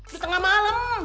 di tengah malam